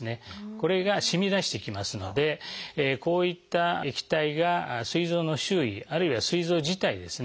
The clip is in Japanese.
これがしみ出してきますのでこういった液体がすい臓の周囲あるいはすい臓自体ですね